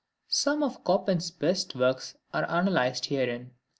Some of Chopin's best works are analyzed herein.